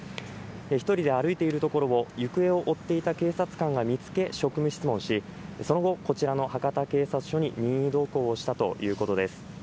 １人で歩いているところを、行方を追っていた警察官が見つけ職務質問し、その後、こちらの博多警察署に任意同行したということです。